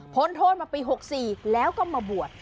โทษมาปี๖๔แล้วก็มาบวช